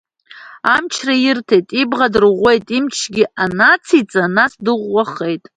Амчра ирҭеит, ибӷа дырӷәӷәеит, имчгьы анациҵа нас, дыӷәӷәахеит.